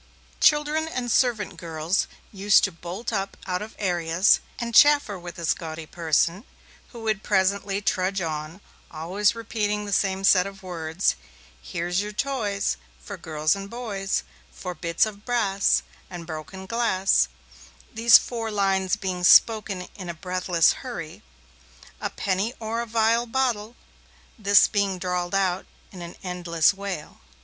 Children and servant girls used to bolt up out of areas, and chaffer with this gaudy person, who would presently trudge on, always repeating the same set of words Here's your toys For girls and boys, For bits of brass And broken glass, (these four lines being spoken in a breathless hurry) A penny or a vial bottell .... (this being drawled out in an endless wail).